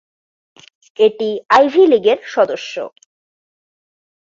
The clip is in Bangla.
এটি আইভি লীগের সদস্য।